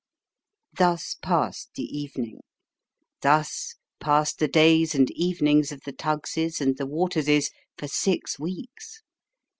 Thus passed the evening ; thus passed the days and evenings of the Tuggs's, and the Waters's, for six weeks.